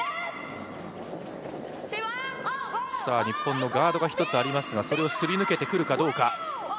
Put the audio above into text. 日本のガードが１つありますがそれをすり抜けてくるかどうか。